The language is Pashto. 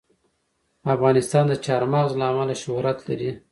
افغانستان د چار مغز له امله شهرت لري.